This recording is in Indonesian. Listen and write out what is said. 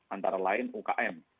antara lain ukm